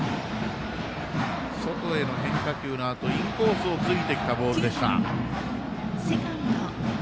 外への変化球のあとインコースをついてきたボールでした。